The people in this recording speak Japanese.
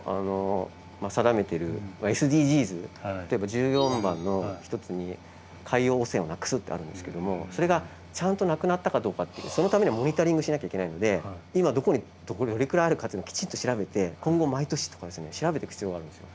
１４番の一つに海洋汚染をなくすってあるんですけどもそれがちゃんとなくなったかどうかってそのためにはモニタリングしなきゃいけないので今どこにどれくらいあるかっていうのをきちんと調べて今後毎年とか調べていく必要があるんですよ。